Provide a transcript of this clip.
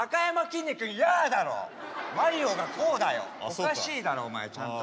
おかしいだろお前ちゃんと。